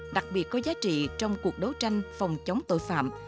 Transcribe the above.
đặc biệt có giá trị trong cuộc đấu tranh phòng chống tội phạm